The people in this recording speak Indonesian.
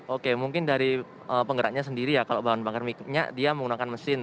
oke mungkin dari penggeraknya sendiri ya kalau bahan bakar minyak dia menggunakan mesin